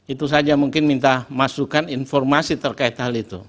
itu saja mungkin minta masukan informasi terkait hal itu